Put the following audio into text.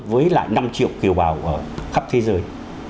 với lại năm triệu kiều bào ở khắp thế giới